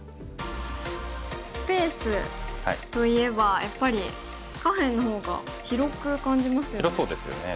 スペースといえばやっぱり下辺の方が広く感じますよね。